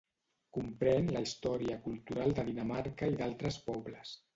Comprèn la història cultural de Dinamarca i d'altres pobles.